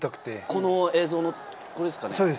この映像、これですかね？